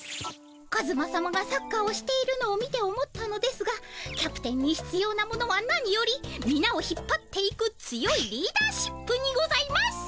カズマさまがサッカーをしているのを見て思ったのですがキャプテンにひつようなものはなによりみなを引っぱっていく強いリーダーシップにございます。